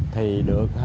thì đưa ra đơn sự là